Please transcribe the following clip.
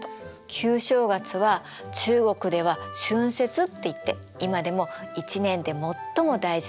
旧正月は中国では春節っていって今でも１年で最も大事な行事の一つなの。